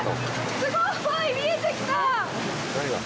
すごい。見えてきた。